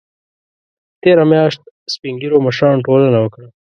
تېره میاشت سپین ږیرو او مشرانو ټولنه وکړه